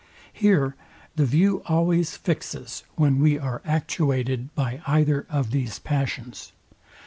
Here the view always fixes when we are actuated by either of these passions.